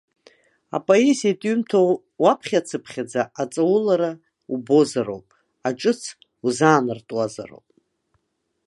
Апоезиатә ҩымҭа уаԥхьацыԥхьаӡа аҵаулара убозароуп, аҿыц узаанартуазароуп.